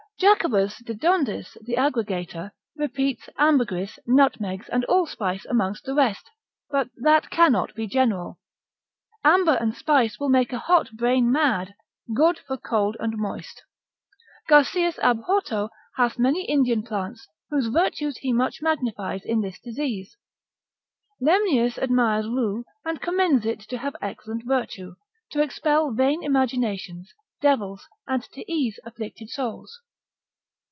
Jacobus de Dondis the aggregator, repeats ambergris, nutmegs, and allspice amongst the rest. But that cannot be general. Amber and spice will make a hot brain mad, good for cold and moist. Garcias ab Horto hath many Indian plants, whose virtues he much magnifies in this disease. Lemnius, instit. cap. 58. admires rue, and commends it to have excellent virtue, to expel vain imaginations, devils, and to ease afflicted souls.